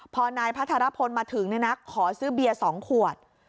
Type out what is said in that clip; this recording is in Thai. พอนายพัทรพลมาถึงขอซื้อเบียร์๒ขวด